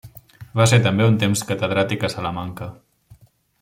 Va ser també un temps catedràtic a Salamanca.